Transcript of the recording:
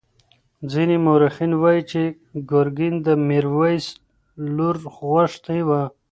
ځینې مورخین وایي چې ګرګین د میرویس لور غوښتې وه.